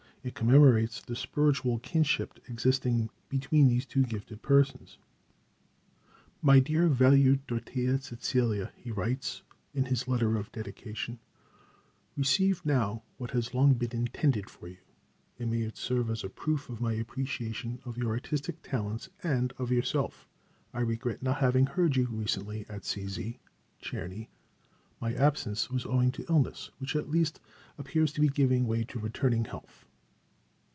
It commemorates the spiritual kinship existing between these two gifted persons. "My dear, valued Dorothea Cäcilia," he writes in his letter of dedication, "receive now what has long been intended for you, and may it serve as a proof of my appreciation of your artistic talents and of yourself; I regret not having heard you recently at Cz (Czerny's). My absence was owing to illness, which at last appears to be giving way to returning health."